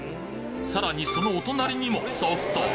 さらにそのお隣にも「ソフト」！